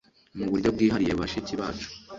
mu buryo bwihariye, bashiki bacu